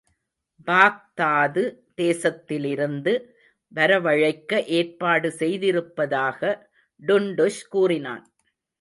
பாக்தாது தேசத்திலிருந்து வரவழைக்க ஏற்பாடு செய்திருப்பதாக டுன்டுஷ் கூறினான்.